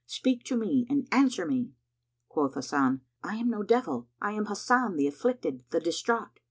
speak to me and answer me;" Quoth Hasan, "I am no devil; I am Hasan, the afflicted, the distraught."